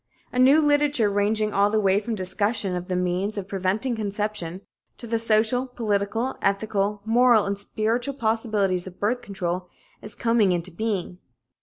A new literature, ranging all the way from discussion of the means of preventing conception to the social, political, ethical, moral and spiritual possibilities of birth control, is coming into being.